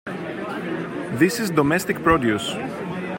This is domestic produce.